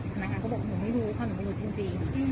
พนักงานก็บอกหนูไม่รู้เพราะหนูไม่รู้จริง